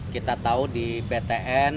kita tahu di btn